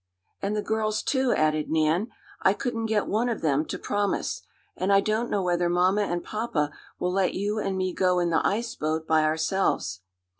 "And the girls, too," added Nan. "I couldn't get one of them to promise. And I don't know whether mamma and papa will let you and me go in the ice boat by ourselves."